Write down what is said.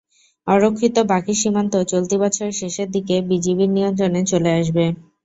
অরক্ষিত বাকি সীমান্ত চলতি বছরের শেষের দিকে বিজিবির নিয়ন্ত্রণে চলে আসবে।